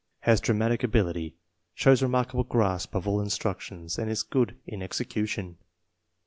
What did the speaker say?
Has dramatic ability. Shows re markable grasp of all instruction and is good in execu tion.